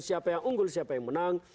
siapa yang unggul siapa yang menang